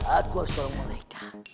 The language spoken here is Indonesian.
aku harus tolong mereka